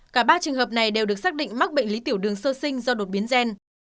cả ba trường hợp này đều được xác định mắc bệnh lý tiểu đường sơ sinh do đột biến gen